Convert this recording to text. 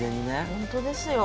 本当ですよ。